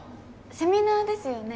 セミナーですよね